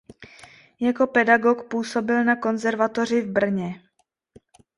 Jako pedagog působil na konzervatoři v Brně.